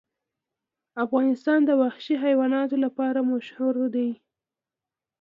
افغانستان د وحشي حیواناتو لپاره مشهور دی.